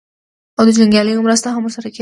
او د جنګیالیو مرسته هم ورسره کېدله.